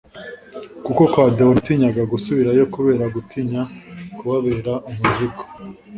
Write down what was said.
kuko kwa Déo natinyaga gusubirayo kubera gutinya kubabera umuzigo